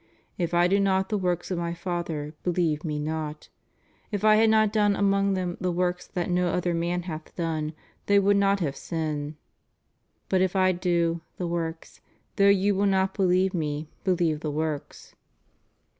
// I do not the works of My Father, believe Me 7wt} If I had not done among them the works that no other man hath done, they would not have sin? But if I do (the works), though you will not believe Me, believe the works?